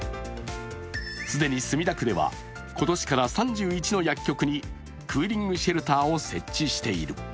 既に墨田区では、今年から３１の薬局にクーリングシェルターを設置している。